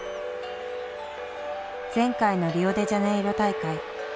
前回のリオデジャネイロ大会。